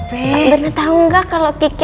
mbak merina tau gak kalo gigi